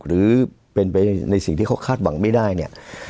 หรือเป็นไปในสิ่งที่เขาคาดหวังไม่ได้เนี่ย